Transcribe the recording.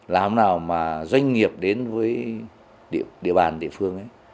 làm nào doanh nghiệp đến với địa bàn địa phương